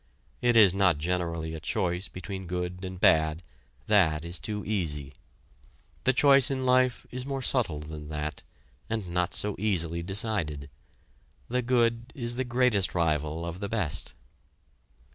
It is not generally a choice between good and bad that is too easy. The choice in life is more subtle than that, and not so easily decided. The good is the greatest rival of the best.